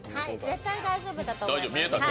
絶対大丈夫だと思います。